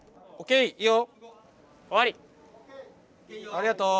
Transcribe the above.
ありがとう。